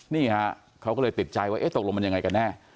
นี่ฮะเขาก็เลยติดใจว่าตกลงมันยังไงกันแน่